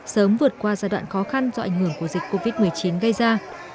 sớm vượt qua giai đoạn khó khăn do ảnh hưởng của dịch covid một mươi chín gây ra